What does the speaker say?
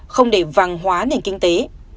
không để vàng hóa nền kinh tế